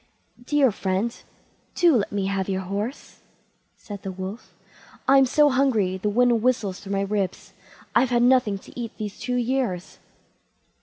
"Dear friend, do let me have your horse", said the Wolf; "I'm so hungry the wind whistles through my ribs; I've had nothing to eat these two years."